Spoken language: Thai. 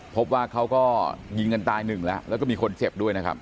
พบว่าเขาก็ยิงกันตายหนึ่งแล้วแล้วก็มีคนเจ็บด้วยนะครับ